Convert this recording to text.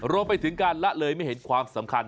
รวมไปถึงการละเลยไม่เห็นความสำคัญ